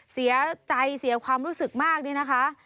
เสียใจเสียความรู้สึกมากนี่นะคะ